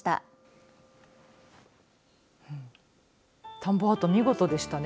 田んぼアート見事でしたね。